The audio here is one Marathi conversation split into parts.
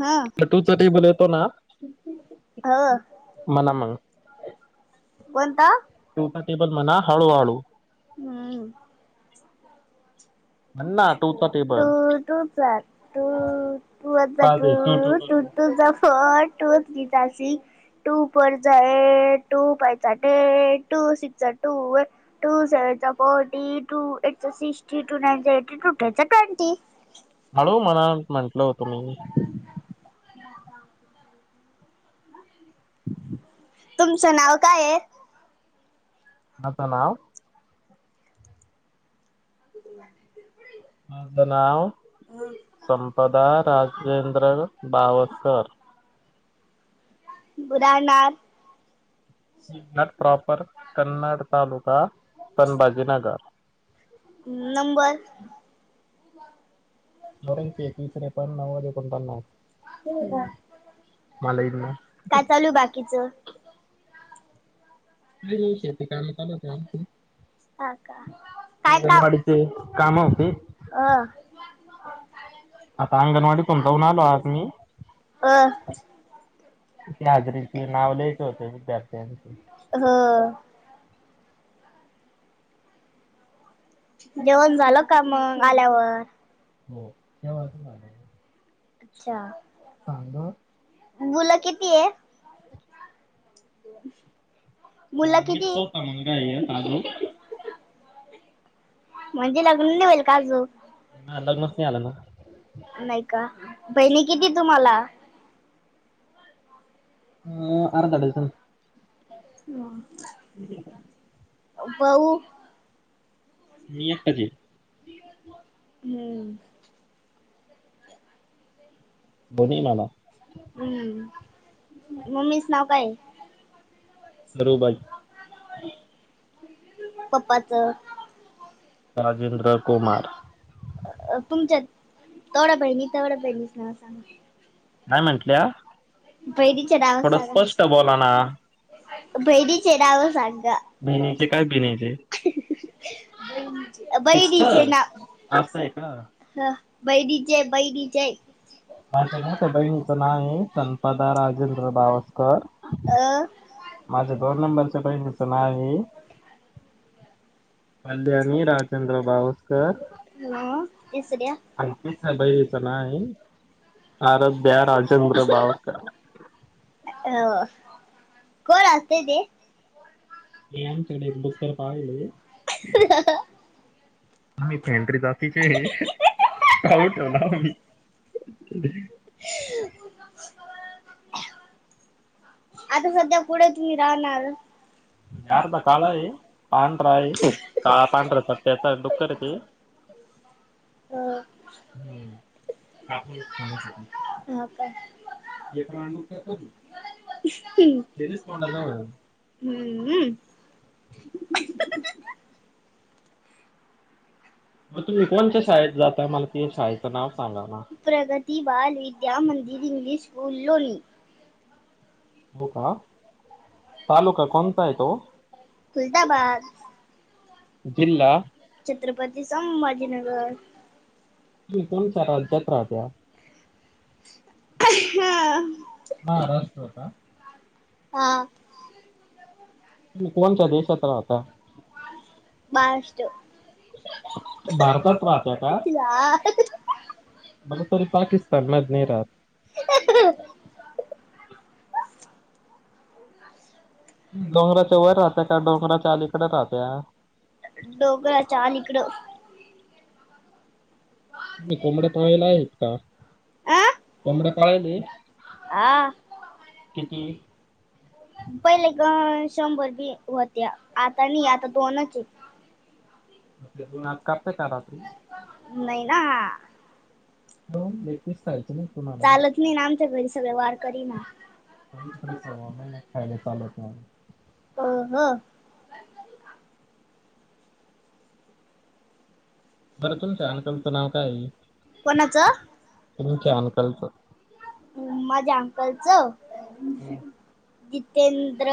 हा चटू चटी बोलतो ना हा म्हणा मग कोणता टूचा टेबल म्हणा हळूहळू हम्म [unintelligible] टू टू टू जा टू टू वन जा टू टू टू जा टू थ्री जा सिक्स टू फोर जा एट टू फायजा टेन टू सिक्सजा टूवेल टू सेवेन जा फोर्टिन टू एटजा सिक्सटीन टू नाईन [unintelligible] हळू म्हणा म्हंटलं होतं मी तुमचं नाव काय आहे? मका नाव [unintelligible] माझं नाव संपदा राजेंद्र बावसकर [unintelligible] प्रॉपर कन्नड तालुका संभाजीनगर हम् नंबर बरंच तिसरे [unintelligible] एकोण पन्नास मलाईना का चालू बाकीचं त म शेती कर चालते आमची काका काय अंगणवाडीचे काम होते आता अंगणवाडीतून जाऊन आलो आज मी अ [inaudible] अं हजरीचे नाव लियचे होते विद्यार्थ्यांचे हा जेवण झालं का मग आल्यावर हो जेवण पण झालं अच्छा चांगलं मुलं किती आहे मुलं किती? मीच स्वतः मुलगा आहे आजो म्हणजे लग्न नाही होईल का अजून? हा, लग्नच नाही आलं ना नाही का बहिणी किती तुम्हाला? ह अं, आ अर्धा करेच डझन [inaudible] मी एकटाचं हे हम्म बनी मला हम् मम्मीच नाव काय? सरूबाई पप्पाचं? राजेंद्र कुमार अ तुमच्या तेवढ्या बहिणी तेवढ्या बहिणीचं नावं सांगा नाही काय म्हंटल्या म्हणते? बहिणीचे नावं थोडं सांगा. स्पष्ट सुस्पष्ट बोला ना ना बहिणीचे नाव सांगा. बहिणीचे काय बनीचे सिस्टर बहिणीचे नाव असं आहे हाय का काय बहिणीचे बहीनीचे माझ्या मोठ्या ना बहिणीचे बहिणीचं नंबर नाव आहे संपदा राजेश राजेंद्र बावस्कर अं माझं [inaudible] बहिणीचं नाव आहे कल्याणी राजेंद्र बावस्कर [unintelligible] अंकित ना बहिणीचं नावं ये आराध्या राजेंद्र बावकर. हो कोण असतय ते मी आमच्याकडे एक बुक तर पाहिलय तुम्ही फँडी जातीचे ये [unintelligible] ठेवला म मी [unintelligible] [inaudible] आता सध्या कुड तुम्ही राहणार? आर्धा काला ये पांढरा यर काळा पांढरा पट्टयाचा डुक्कर एक ये अ हो आतून चालण्यासाठी हो काय लेकरावांनी डुक्कर [unintelligible] त्याच्याच त्याजीच खाऊन टाकली तोंडाजवळ बघ आहे. हूं हम्म म्हटलं तुम्ही कोणच्या शाळेत जाता? मला ते शाळेचं नाव सांगा ना. प्रगती बाल विद्या मंदिर इंग्लीश स्कुल लोली. बुक हा तालुका कोणचा हाय तो खुलताबाद. जिल्हा छत्रपती संभाजीनगर प्रीतम च्या राज्यात राहत्या. हा महाराष्ट्र का? हा तुमी कोणच्या देशात राहता? महाराष्ट्र भारतात महाराष्ट्रात राहता राहत्या का बर तरी पाकिस्तान मध नाय राहात. [unintelligible] डोंगराच्या वर राहत्या का डोंगराच्या अलीकडे राहत्या. डोंगराच्या अलीकड. तुम्ही कोंबड्या पाळल्या आहेत का? आ कोंबड्या पाळायले - आ किती? पहिले कं शंभर बी होत्या आता नई आता दोनच ये. मग त्या दोन आज कापताय का रात्री नाही ना. हो, कामून लेग पीस खायचे खायचं ना नाहीत तुला, तुम्हाला. चालच नई ना आमच्या घरी सगळे वारकरी ये ना. आमच्या कड सव्वा महिना खायला चालत नाय. अहं बरं तुमच्या अंकल च नाव काय ये? कोणाच? तुमच्या अंकल चं माझ्या अंकलच जितेंद्र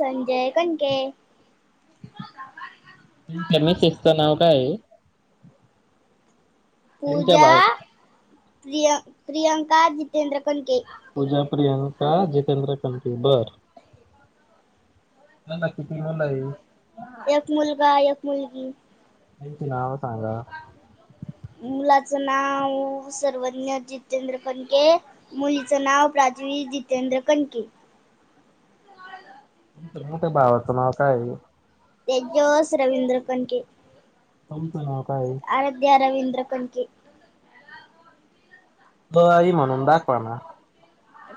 संजय कणके. त्यांच्या मिसेस च नाव काय ये? त्यांच्या पूजा बायका प्रिया प्रियंका जितेंद्र कनके. का जितेंद्र कंणके बरं. काकांला किती मुलं मुले आहे? आहेत? एक मुलगा यक मुलगी. त्यांची नाव सांग मुलाचं नाव सर्वज्ञ जितेंद्र कणके. मुलीचं नाव प्राज्वी जितेंद्र कणके. तुमच्या [unintelligible] बाळाच नाव काये? तेजस रवींद्र कनके तुमच नाव काय ये आराध्य रवींद्र कनके. अ ब आ आई ई म्हणून दाखवा, ना.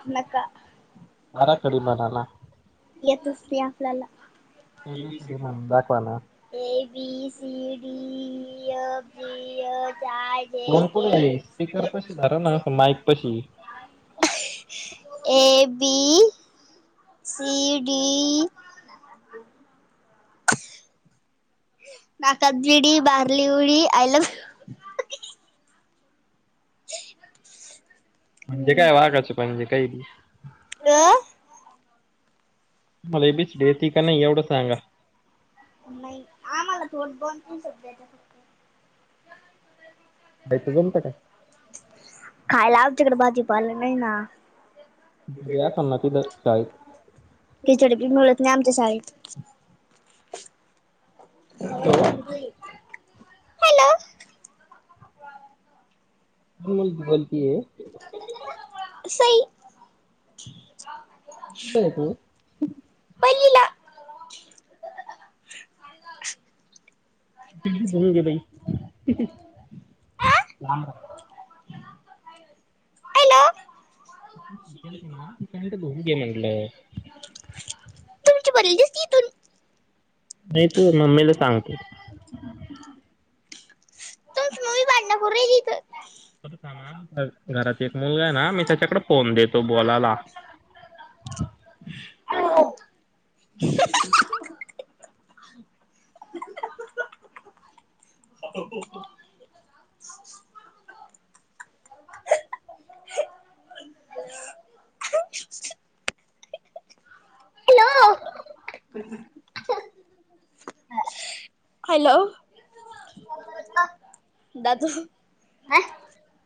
नका बाराखडी म्हणा ना. येतच ते आपल्याला. A, B, C, ABCD D, म्हणून दाखवा ना E, F, G, H, I, J phone कुठे आहे स्पीकर पाशी धर A, B C, D, E नाकात विडी मारली उडी आय लव्ह यू. म्हणजे काय वाघाचे पणजे काही बि. आं. तुम्हाला ए बी सी डी येती का नाही एवढं सांगा. नाही आम्हाला थोड दोन तीन शब्द येत्या फक्तं. काय तर जमतं का [unintelligible] खायला आच्याकडे भाजीपालं नाही नाही ना‌. दिदी असल‌ना तिथं शाळेत. खिचडी बी मिळत नाई आमच्या शााळेत. हॅलो [unintelligible] [unintelligible] कोण मुलगी बोलतीये? सई. कुठं हाय तु? पयलीला. आ [unintelligible] हॅलो तू शिकेल की त्यांच होऊन गेललय. तुमची बनियण दिसती इथून नाही तू ये मम्मीला सांगतो. तुमची मम्मी भांडण करु रायली इंथ. बर का मॅम घ घरात एक मुलगा आहे ना मी त्याच्याकडे फोन देतो बोलाला. [unintelligible] [unintelligible] [unintelligible] [unintelligible] [unintelligible] हॅलो. दादू.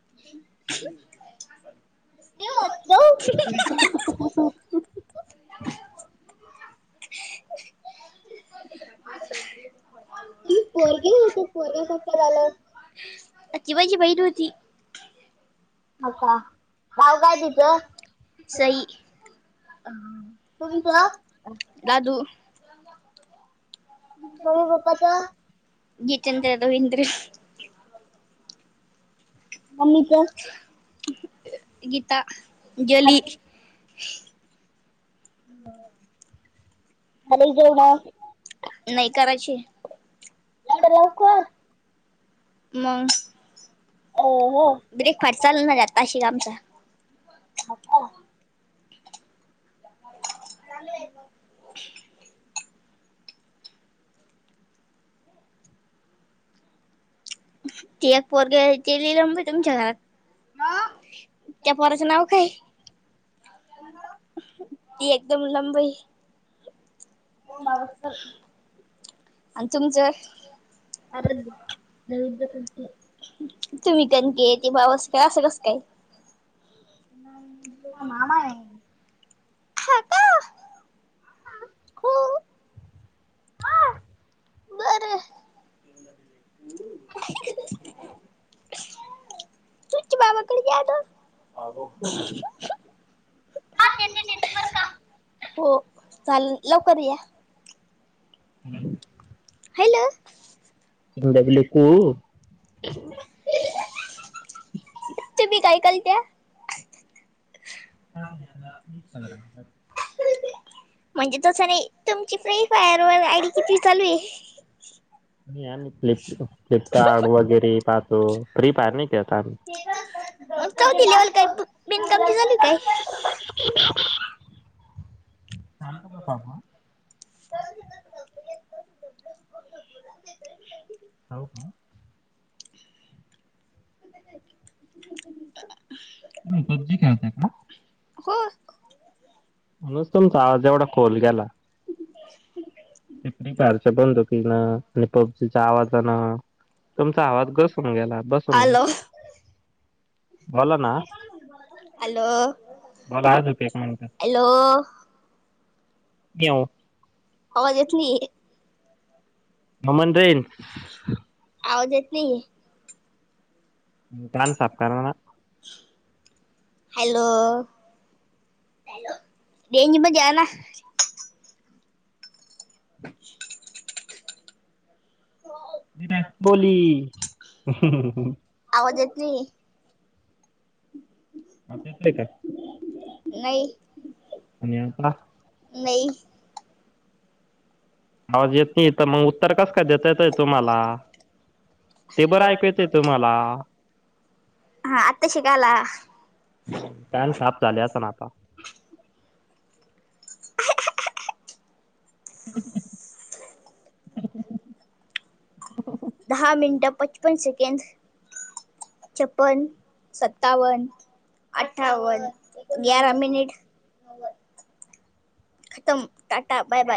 [unintelligible] [unintelligible] [unintelligible] तुही पोरगी होती पोरगा कसं काय झालं? ती माझी बहिन होती. होव का नाव काय तिचं? सई दादू. मम्मी पप्पाचं जितेंद्र रविंद्र. मम्मीचं गीता गेली. आज [inaudible] झाले जेवण नाही कराची य. एवढं लवकर मग. ओ हो. ब्रेकफास्ट चाल ना काशिरामचा. हो का. चांगलय. [inaudible] ते पोरगे ते लिलंब तुमच्या घरात त्या पोराचं नाव काय? ती एकदम लंबाई बावस्करर [unintelligible] आणि तुमचं [inaudible] [unintelligible] तुम्ही [unintelligible] काय असं कसं काय ह माय [unintelligible] हा का हो बरं [inaudible] बाबा कडे [unintelligible] हो चाल न लवकर या. हॅलो हॅलो त ब कू [unintelligible] ब तुम्ही काय कलत्या? अ [unintelligible] म्हणजे तसं नाही तुमची फ्री फायर व आईडी किती चालू आहे. फ्लप फ्लिपकार्ट वगैरे पाहतो फ्री फयर नाही खेळत आम्ही मग चौथी लेवल काय बिनकाम झाली काय? ते चाांत का पाबा [unintelligible] हो का [inaudible] ह पब्जी खेळतात का? हो म्हणून तुमचा आवाज एवढा खोल गेला हो ते फ्री फायरच्या बंदुकीन होती ना आणि पब्जीच्या आवाजान तुमचा आवाज घसून गेला बसून गेला हॅलो बोला ना हॅलो बोला अजून एक मिनिट हॅलो येऊ [unintelligible] आवाज येत नाही ममन रेंज आवाज येत नाही कान साफ करा ना हॅलो रेंजमध्ये यांना अच्छा [inaudible] आवाज येत नाहीये. नाही [unintelligible] आणि आता नाही आवाज येत नाही तर मग उत्तर कसं काय देता येतय तुम्हाला ते बरं ऐकू येत तुम्हाला हा आता शिक आला हा कान साफ झाले असं ना आता [inaudible] दहा मिनटं पचपन सेकेंंद छपन सत्तावन अठ्ठावन ग्यारा मिनिट खतम टाटा बाय बाय.